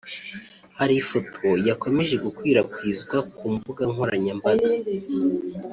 Hari ifoto yakomeje gukwirakwizwa ku mbuga nkoranyambaga